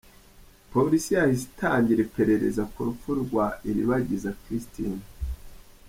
Polisi yahise itangira iperereza k’urupfu rwa Iribagiza Christine